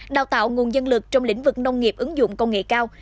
đào tạo nguồn dân lực trong lĩnh vực nông nghiệp ứng dụng công nghệ cao